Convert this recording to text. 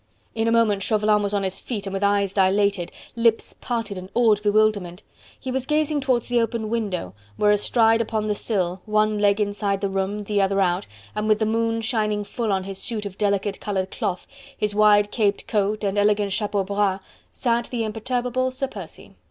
In a moment Chauvelin was on his feet and with eyes dilated, lips parted in awed bewilderment, he was gazing towards the open window, where astride upon the sill, one leg inside the room, the other out, and with the moon shining full on his suit of delicate coloured cloth, his wide caped coat and elegant chapeau bras, sat the imperturbable Sir Percy.